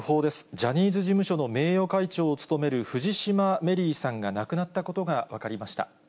ジャニーズ事務所の名誉会長を務める藤島メリーさんが亡くなったことが分かりました。